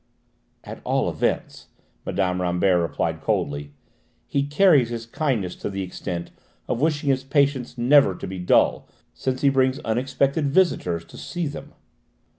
"At all events," Mme. Rambert replied coldly, "he carries his kindness to the extent of wishing his patients never to be dull, since he brings unexpected visitors to see them."